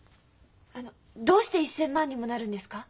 あのどうして１，０００万にもなるんですか？